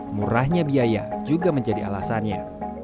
murahnya biaya juga menjadi alasannya